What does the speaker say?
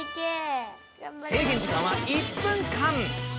制限時間は１分間。